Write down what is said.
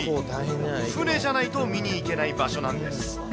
船じゃないと見に行けない場所なんです。